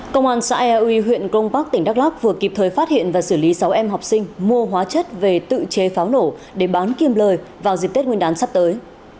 công an xã eui huyện công bắc tỉnh đắk lắc vừa kịp thời phát hiện và xử lý sáu em học sinh mua hóa chất về tự chế pháo nổ để bán kiêm lời vào dịp tết nguyên đán sắp tới